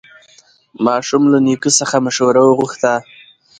ماشوم له نیکه څخه مشوره وغوښته